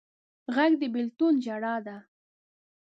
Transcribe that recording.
غږ د بېلتون ژړا ده